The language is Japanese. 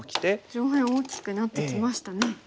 上辺大きくなってきましたね。